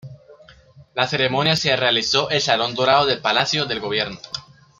La ceremonia se realizó el Salón Dorado de Palacio de Gobierno.